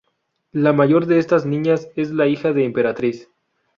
La mayor de estas niñas es la hija de Emperatriz.